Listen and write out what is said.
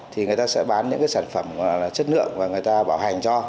thì người ta sẽ bán những cái sản phẩm chất lượng và người ta bảo hành cho